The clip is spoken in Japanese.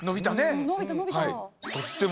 うん伸びた伸びた！